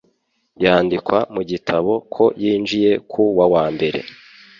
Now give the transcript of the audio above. yandikwa mu gitabo ko yinjiye ku wawambere